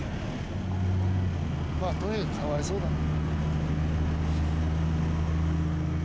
まあとにかくかわいそうだね。